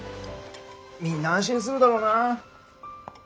みんな安心するだろうな。